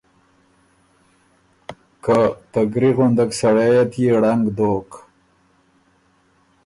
که ته ګری غُندک سړئ ت يې ړنګ دوک“